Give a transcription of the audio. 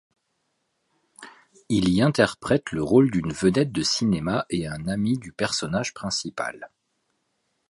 Il y interprète le rôle d’une vedette de cinéma et ami du personnage principal.